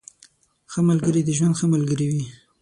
ښه ملګري د ژوند ښه ملګري وي.